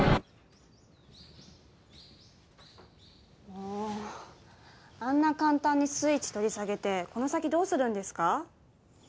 もうあんな簡単にスイッチ取り下げてこの先どうするんですか？